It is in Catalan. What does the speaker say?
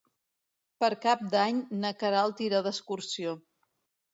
Per Cap d'Any na Queralt irà d'excursió.